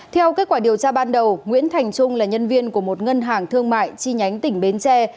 theo kết quả điều tra ban đầu nguyễn thành trung là nhân viên của một ngân hàng thương mại chi nhánh tỉnh bến tre